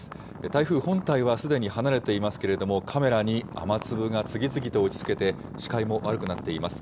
台風本体はすでに離れていますけれども、カメラに雨粒が次々と打ちつけて、視界も悪くなっています。